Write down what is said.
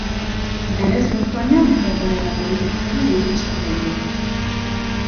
Bere zurtoina metro pare bat edukitzera irits daiteke.